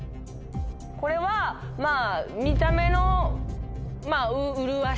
これはまぁ。